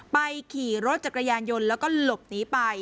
ขี่รถจักรยานยนต์แล้วก็หลบหนีไป